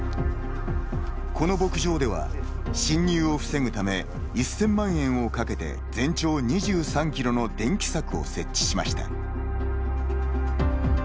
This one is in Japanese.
この牧場では、侵入を防ぐため１０００万円をかけて全長２３キロの電気柵を設置しました。